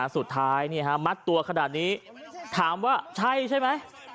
สุดท้ายมัดตัวขนาดนี้ถามว่าใช่ใช่ไหม